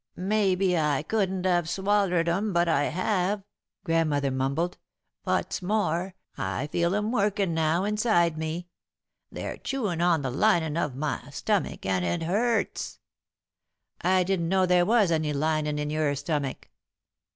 "Maybe I couldn't have swallered 'em, but I have," Grandmother mumbled. "What's more, I feel 'em workin' now inside me. They're chewing on the linin' of my stomach, and it hurts." [Sidenote: What's the Matter?] "I didn't know there was any linin' in your stomach."